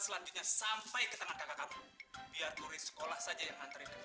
selanjutnya sampai ke tangan kakak kamu biar kurik sekolah saja yang nganterin ke